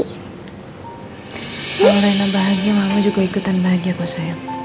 kalau rena bahagia mama juga ikutan bahagia kok sayang